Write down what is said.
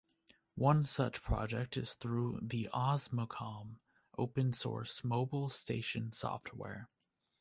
One such project is through the Osmocom open source mobile station software.